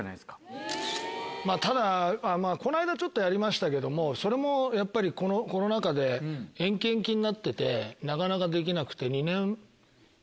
ただこの間ちょっとやりましたけどもそれもやっぱりこのコロナ禍で延期延期になっててなかなかできなくて。